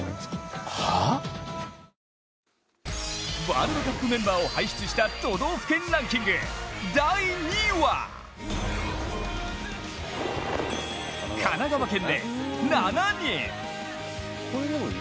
ワールドカップメンバーを輩出した都道府県ランキング第２位は神奈川県で、７人！